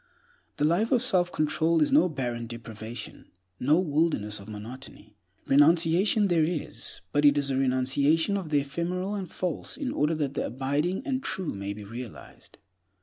The life of self control is no barren deprivation, no wilderness of monotony. Renunciation there is, but it is a renunciation of the ephemeral and false in order that the abiding and true may be realized.